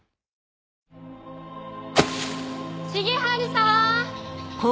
重治さん！